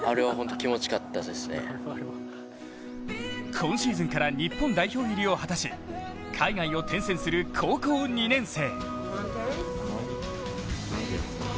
今シーズンから日本代表入りを果たし海外を転戦する高校２年生。